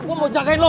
gua mau jagain lu